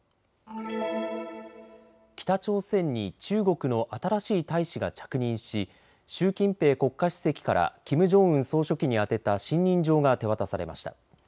北朝鮮に中国の新しい大使が着任し習近平国家主席からキム・ジョンウン総書記に宛てた信任状が手渡されました。